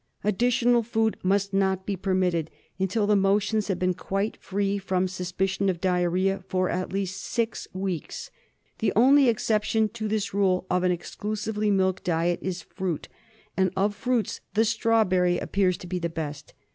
Additional food must not be permitted until the motions have been quite free from suspicion of diarrhoea for at least six weeks. The only exception to this rule of an exclusively milk diet is fruit, and of all fruits the strawberry appears to be the best.